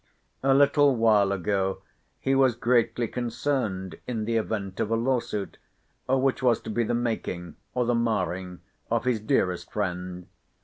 A little while ago he was greatly concerned in the event of a law suit, which was to be the making or the marring of his dearest friend.